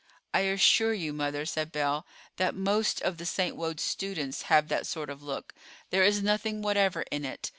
"I assure you, mother," said Belle, "that most of the St. Wode's students have that sort of look; there is nothing whatever in it.